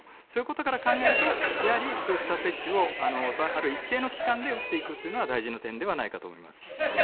そういうことから考えるとブースター接種をある一定の期間で打っていくというのは大事な点ではないかと思います。